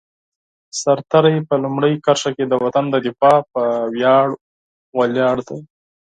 سرتېری په لومړۍ کرښه کې د وطن د دفاع په ویاړ ولاړ دی.